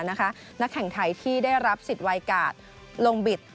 นักแข่งไทยที่ได้รับสิทธิ์วายการ์ดลงบิด